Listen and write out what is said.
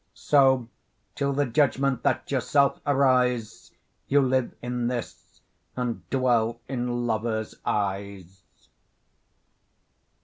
So, till the judgment that yourself arise, You live in this, and dwell in lovers' eyes.